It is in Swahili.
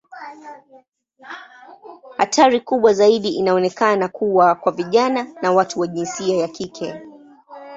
Hatari kubwa zaidi inaonekana kuwa kwa vijana na watu wa jinsia ya kike.